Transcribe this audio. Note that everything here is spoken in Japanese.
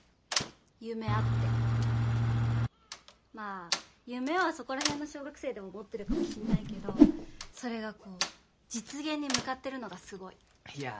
夢あってまあ夢はそこら辺の小学生でも持ってるかもしんないけどそれがこう実現に向かってるのがすごいいやあ